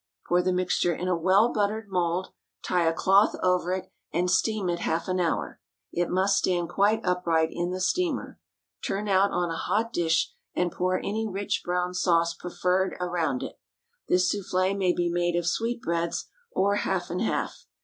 Pour the mixture in a well buttered mould, tie a cloth over it, and steam it half an hour. It must stand quite upright in the steamer. Turn out on a hot dish, and pour any rich brown sauce preferred around it. This soufflé may be made of sweetbreads, or half and half.